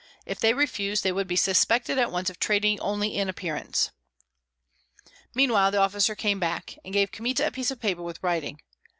If they refused, they would be suspected at once of trading only in appearance. Meanwhile the officer came back, and gave Kmita a piece of paper with writing.